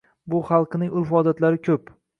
Bu xalqining urf-odatlari ko’p.